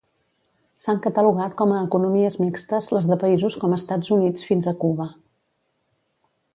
S'han catalogat com a economies mixtes les de països com Estats Units fins a Cuba.